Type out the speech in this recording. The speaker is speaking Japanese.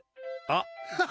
あっ！